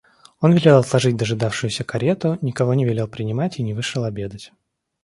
Он велел отложить дожидавшуюся карету, никого не велел принимать и не вышел обедать.